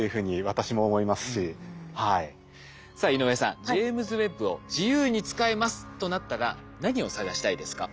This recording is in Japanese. さあ井上さんジェイムズ・ウェッブを自由に使えますとなったら何を探したいですか？